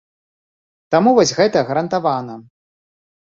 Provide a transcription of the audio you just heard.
Таму вось гэта гарантавана.